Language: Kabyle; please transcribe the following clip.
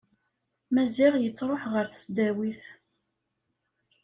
Maziɣ yettruḥ ɣer tesdawit.